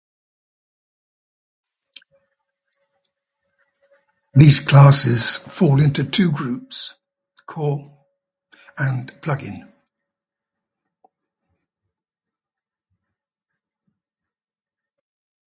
These classes fall into two groups, "core" and "plugin".